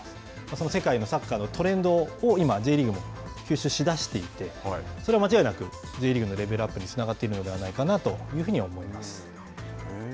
その世界のサッカーのトレンドを今、Ｊリーグも吸収し出していてそれは間違いなくＪリーグのレベルアップにつながっているのではないかなというふうには思います。